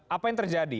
apa yang terjadi